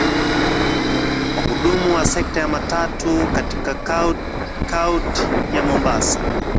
Wahudumu wa sekta ya matatu katika kaunti ya Mombasa